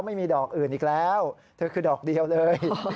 ไม่มีดอกอื่นอีกแล้วเธอคือดอกเดียวเลย